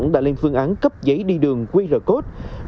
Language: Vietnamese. đã lên phương án cấp giấy đi đường qr code